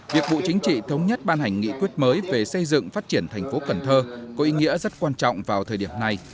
việc bộ chính trị thống nhất ban hành nghị quyết mới về xây dựng phát triển thành phố cần thơ có ý nghĩa rất quan trọng vào thời điểm này